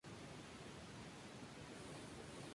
Giles y Soho.